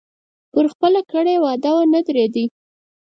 پر خپله کړې وعده ونه درېدی.